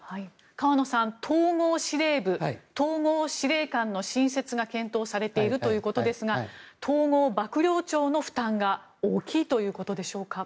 河野さん、統合司令部統合司令官の創設が検討されているということですが統合幕僚長の負担が大きいということでしょうか。